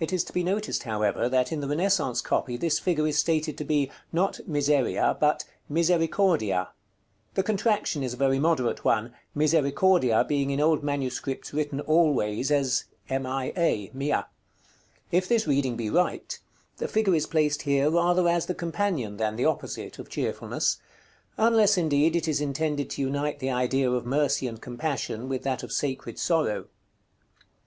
It is to be noticed, however, that in the Renaissance copy this figure is stated to be, not Miseria, but "Misericordia." The contraction is a very moderate one, Misericordia being in old MS. written always as "Mia." If this reading be right, the figure is placed here rather as the companion, than the opposite, of Cheerfulness; unless, indeed, it is intended to unite the idea of Mercy and Compassion with that of Sacred Sorrow.